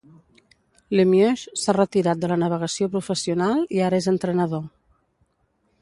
Lemieux s'ha retirat de la navegació professional i ara és entrenador.